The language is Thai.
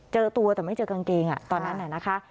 เจอตัวแต่ไม่เจอกางเกงตอนนั้นน่ะนะคะ